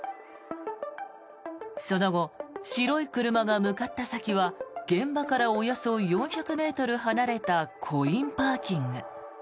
その後、白い車が向かった先は現場からおよそ４００ｍ離れたコインパーキング。